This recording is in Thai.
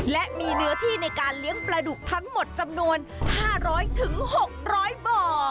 และมีเนื้อที่ในการเลี้ยงปลาดุกทั้งหมดจำนวน๕๐๐๖๐๐บ่อ